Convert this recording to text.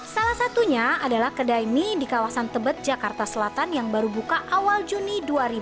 salah satunya adalah kedai mie di kawasan tebet jakarta selatan yang baru buka awal juni dua ribu dua puluh